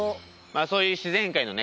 そういう自然界のね